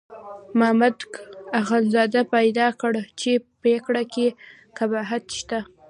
مامدک اخندزاده پیدا کړه چې پرېکړه کې قباحت شته.